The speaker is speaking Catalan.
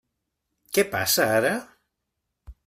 Què passa ara?